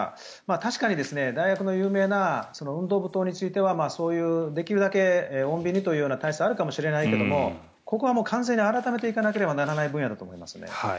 確かに大学の有名な運動部等に関してはそういう、できるだけ穏便にという体質はあると思うけどここはもう完全に改めていかなければいけない分野だと思いますね。